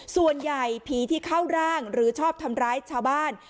ส่วนใหญ่ผีที่เข้าร่างหรือชอบทำร้ายชาวบ้าน